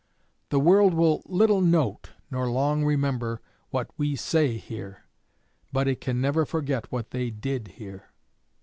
The world will little note nor long remember what we say here, but it can never forget what they did here.